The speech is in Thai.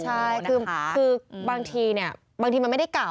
ใช่คือบางทีเนี่ยบางทีมันไม่ได้เก่า